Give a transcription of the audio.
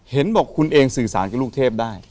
เห็นบอกคุณเองสื่อสารกับลูกเทพได้